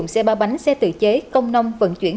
một xe ba bánh xe tự chế công nông vận chuyển